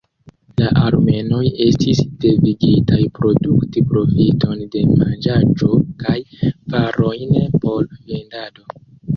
La armenoj estis devigitaj produkti profiton de manĝaĵo kaj varojn por vendado.